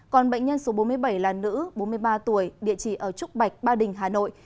còn bệnh nhân số bốn mươi bảy là nữ bốn mươi ba tuổi địa chỉ ở trúc bạch ba đình hà nội